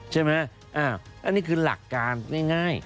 ใช่ไหมอันนี้คือหลักการง่าย